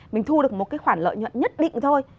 mình thu được một cái khoản lợi nhuận nhất định thôi